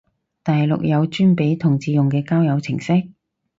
大陸有專俾同志用嘅交友程式？